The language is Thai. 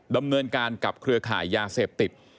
ดำเนินการกับเครือข่ายยาเสพติด